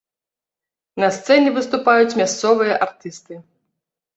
На сцэне выступаюць мясцовыя артысты.